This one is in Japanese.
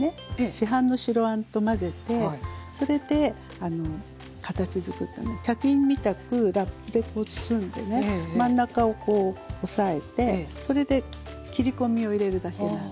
市販の白あんと混ぜてそれで形づくった茶巾みたくラップで包んでね真ん中をこう押さえてそれで切り込みを入れるだけなんです。